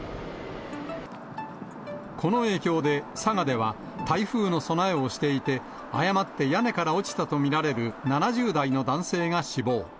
この影響で、佐賀では台風の備えをしていて、誤って屋根から落ちたと見られる７０代の男性が死亡。